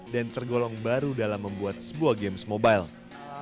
dan tergolong baru dalam membuat sebuah games mobile